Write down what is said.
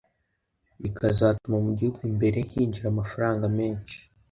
bikazatuma mu gihugu imbere hinjira amafaranga menshi